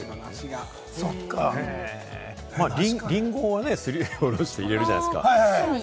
リンゴはね、すりおろして入れるじゃないですか。